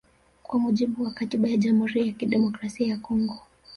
Kwa mujibu wa katiba ya Jamhuri ya Kidemokrasia ya Kongo